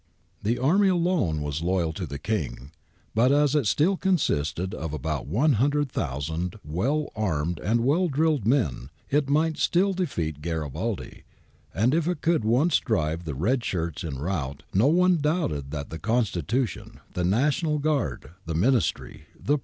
The army alone was loyal to the King, but as it still consisted of about 100,000 well armed and well drilled men, it might still defeat Garibaldi, and if it could once drive the red shirts in rout no one doubted that the Constitution, the National Guard, the Ministry, the press.